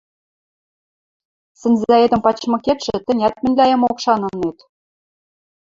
Сӹнзӓэтӹм пачмыкетшӹ, тӹнят мӹньлӓэмок шанынет.